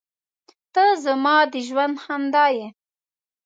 • ته زما د ژوند خندا یې.